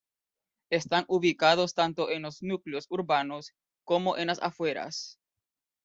Están ubicados tanto en los núcleos urbanos, como en las afueras.